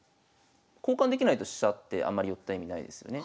交換できないと飛車ってあんまり寄った意味ないですよね。